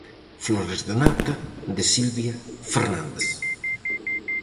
Flores de nata, de Silvia Fernández.